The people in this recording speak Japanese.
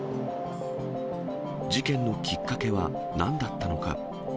事件のきっかけはなんだったのか。